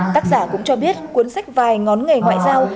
tác giả cũng cho biết cuốn sách vài ngón nghề ngoại giao